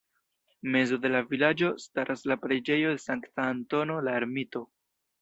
Mezo de la vilaĝo staras la preĝejo de Sankta Antono la Ermito.